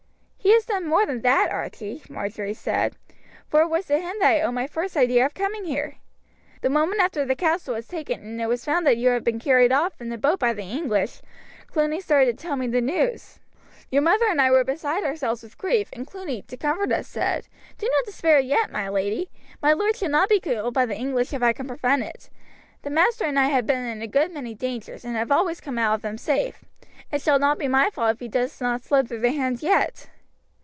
"He has done more than that, Archie," Marjory said, "for it was to him that I owe my first idea of coming here. The moment after the castle was taken and it was found that you had been carried off in a boat by the English, Cluny started to tell me the news. Your mother and I were beside ourselves with grief, and Cluny, to comfort us, said, 'Do not despair yet, my lady; my lord shall not be killed by the English if I can prevent it. The master and I have been in a good many dangers, and have always come out of them safe; it shall not be my fault if he does not slip through their hands yet.'